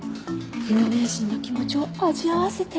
有名人の気持ちを味わわせて。